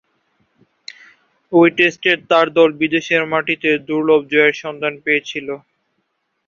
ঐ টেস্টে তার দল বিদেশের মাটিতে দুর্লভ জয়ের সন্ধান পেয়েছিল।